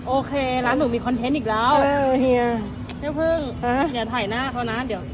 โอเคร้านหนูมีอีกแล้วเฮียเฮี่ยเพิ่งหยัดถ่ายหน้าเขานะเดี๋ยว